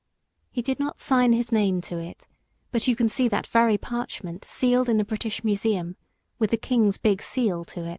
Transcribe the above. He did not sign his name to it, but you can see that very parchment sealed in the British Museum with the King's big seal to it.